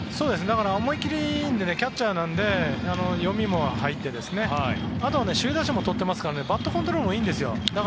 だから思い切りがいいのでキャッチャーなので読みも入ってあとは首位打者も取ってますからバットコントロールもいいんですよ。